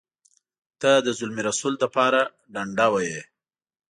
ته د زلمي رسول لپاره ډنډه وهې.